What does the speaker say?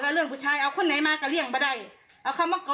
แล้วเรื่องผู้ชายเอาคนไหนมาก็เรียกมาได้เอาเขามากอ